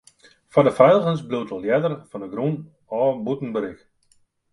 Foar de feiligens bliuwt de ljedder fan 'e grûn ôf bûten berik.